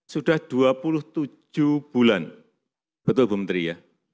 sudah dua puluh tujuh bulan betul bu menteri ya